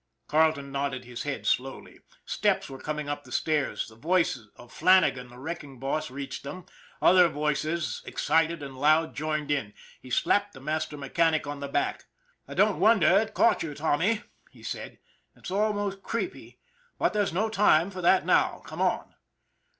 Carleton nodded his head slowly. Steps were com ing up the stairs. The voice of Flannagan, the wreck ing boss, reached them, other voices excited and loud joined in. He slapped the master mechanic on the back. " I don't wonder it caught you, Tommy," he said. " It's almost creepy. But there's no time for that now. Come on."